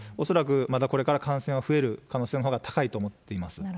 恐らくまだこれから、感染は増える可能性のほうが高いと思っています。